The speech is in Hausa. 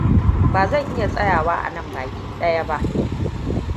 Ba zan iya tsayawa anan baki ɗaya ba.